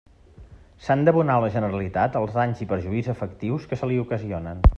S'han d'abonar a la Generalitat els danys i perjuís efectius que se li ocasionen.